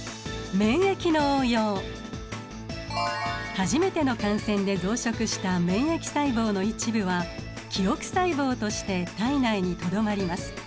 初めての感染で増殖した免疫細胞の一部は記憶細胞として体内にとどまります。